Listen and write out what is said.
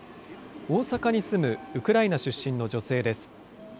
大阪に住むウクライナ出身の女性です。